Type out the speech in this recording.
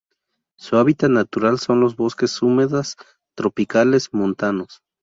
Su hábitat natural son los bosques húmedas tropicales montanos.